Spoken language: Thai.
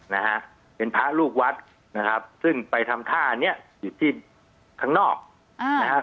นะฮะเป็นพระลูกวัดนะครับซึ่งไปทำท่าเนี้ยอยู่ที่ข้างนอกอ่านะฮะ